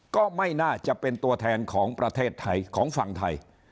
ก็ไม่น่าจะเป็นตัวแทนของประเทศไทยของฝั่งไทย